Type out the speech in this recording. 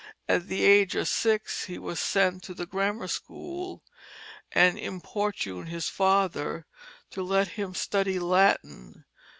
At the age of six he was sent to the grammar school and importuned his father to let him study Latin.